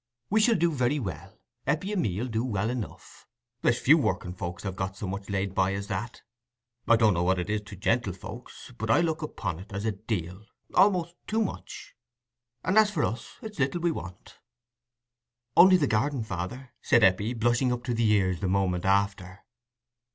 We shall do very well—Eppie and me 'ull do well enough. There's few working folks have got so much laid by as that. I don't know what it is to gentlefolks, but I look upon it as a deal—almost too much. And as for us, it's little we want." "Only the garden, father," said Eppie, blushing up to the ears the moment after.